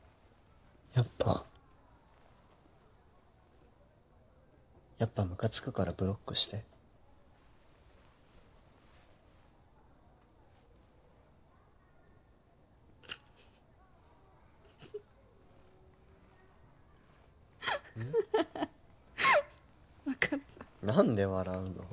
やっぱやっぱムカつくからブロックしてプッフフフフ分かった何で笑うの？